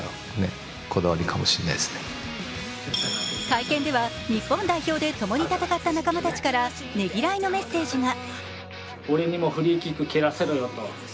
会見では、日本代表でともに戦った仲間たちからねぎらいのメッセージが。